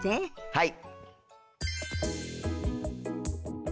はい。